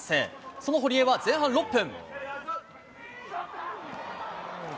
その堀江は前半６分。